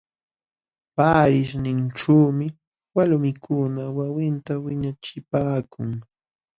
Paarishninćhuumi walmikuna wawinta wiñachipaakun.